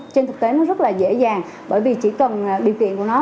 trên thực tế nó rất là dễ dàng bởi vì chỉ cần điều kiện của nó